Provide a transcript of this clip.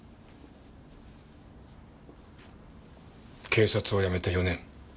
警察を辞めて４年。